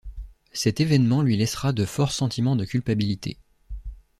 Cet événement lui laissera de forts sentiments de culpabilité.